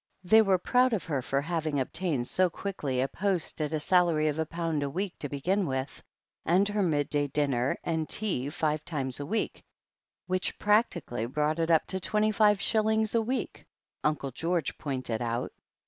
They were proud of her for having obtained so quickly a post at a salary of a pound a week^o begin with, and her midday dinner and tea five times a week — ^which practically brought it up to twenty five shillings a week. Uncle George pointed out.